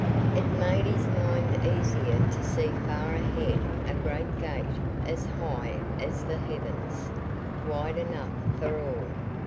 It made his mind easier to see far ahead a great gate as high as the heavens, wide enough for all.